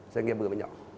doanh nghiệp mới nhỏ